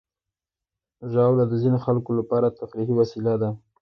ژاوله د ځینو خلکو لپاره تفریحي وسیله ده.